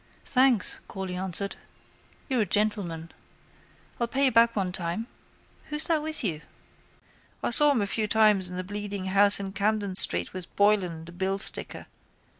—Thanks, Corley answered, you're a gentleman. I'll pay you back one time. Who's that with you? I saw him a few times in the Bleeding Horse in Camden street with Boylan, the billsticker.